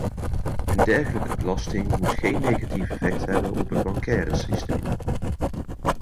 Een dergelijke belasting moet geen negatief effect hebben op het bancaire systeem.